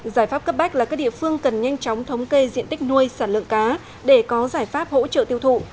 giải pháp cấp bách là các địa phương cần nhanh chóng thống kê diện tích nuôi sản lượng cá để có giải pháp hỗ trợ tiêu thụ